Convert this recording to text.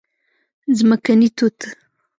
🍓ځمکني توت